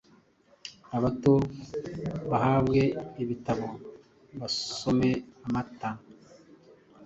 Abato bahabwe ibitabo basome amata